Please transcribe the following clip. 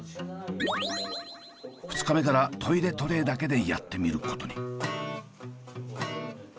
２日目からトイレトレーだけでやってみることに。